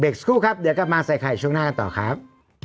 สักครู่ครับเดี๋ยวกลับมาใส่ไข่ช่วงหน้ากันต่อครับ